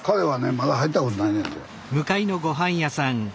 まだ入ったことないねんて。